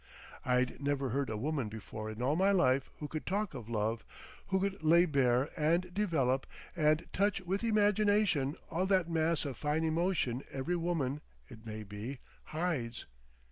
I'd never heard a woman before in all my life who could talk of love, who could lay bare and develop and touch with imagination all that mass of fine emotion every woman, it may be, hides.